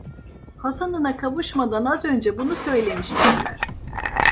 Hasan'ına kavuşmadan az önce bunu söylemiş derler!